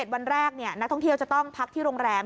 วันแรกนักท่องเที่ยวจะต้องพักที่โรงแรม